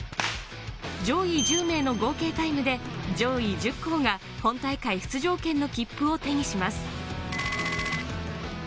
上位１０名の合計タイムで上位１０校が本大会出場権の切符を手にします。